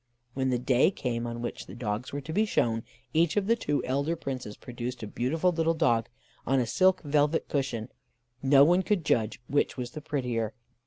When the day came on which the dogs were to be shown, each of the two elder Princes produced a beautiful little dog, on a silk velvet cushion: no one could judge which was the prettier.